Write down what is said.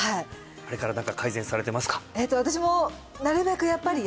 あれから何か改善されてますか？